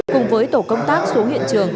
cùng với tổ công tác xuống hiện trường